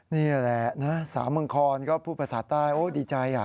นี่แหละนะสามังคลก็พูดภาษาใต้โอ๊ยดีใจอ่ะ